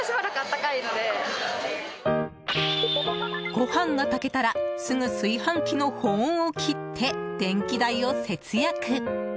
ご飯が炊けたらすぐ炊飯器の保温を切って電気代を節約。